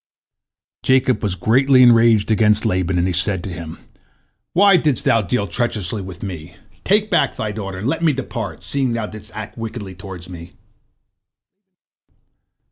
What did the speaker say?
" Jacob was greatly enraged against Laban, and he said to him: "Why didst thou deal treacherously with me? Take back thy daughter, and let me depart, seeing thou didst act wickedly toward me."